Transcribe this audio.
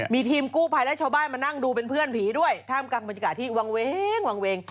มีทีมกู้ภัยและชาวบ้านมานั่งดูเป็นเพื่อนผีด้วยท่ามกลางบรรยากาศที่วางเวงวางเวง